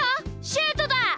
シュートだ！